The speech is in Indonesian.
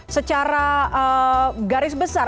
secara garis besar